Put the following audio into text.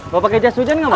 bapak kejas ujian gak mbak